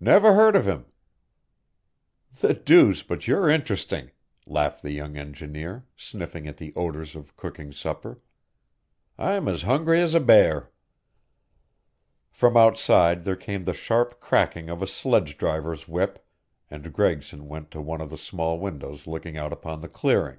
"Never heard of him." "The deuce, but you're interesting," laughed the young engineer, sniffing at the odors of cooking supper. "I'm as hungry as a bear!" From outside there came the sharp cracking of a sledge driver's whip and Gregson went to one of the small windows looking out upon the clearing.